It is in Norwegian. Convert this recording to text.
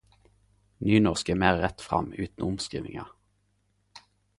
Nynorsk er meir rett fram utan omskrivingar.